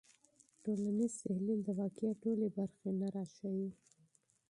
ټولنیز تحلیل د واقعیت ټولې برخې نه راښيي.